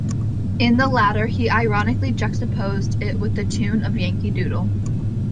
In the latter he ironically juxtaposed it with the tune of "Yankee Doodle".